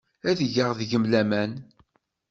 Ad geɣ deg-m laman.